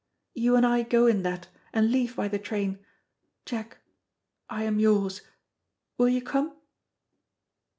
You and I go in that, and leave by the train. Jack, I am yours will you come?"